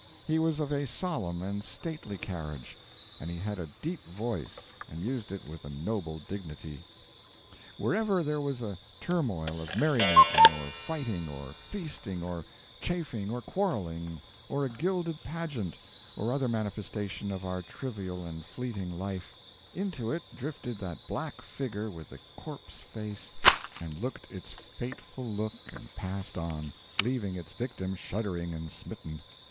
He was of a solemn and stately carriage; and he had a deep voice, and used it with a noble dignity. Wherever there was a turmoil of merry making or fighting or feasting or chaffing or quarreling, or a gilded pageant, or other manifestation of our trivial and fleeting life, into it drifted that black figure with the corpse face, and looked its fateful look and passed on; leaving its victim shuddering and smitten.